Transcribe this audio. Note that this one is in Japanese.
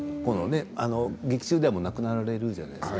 劇中では亡くなられるじゃないですか。